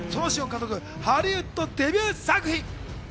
ハリウッドデビュー作品。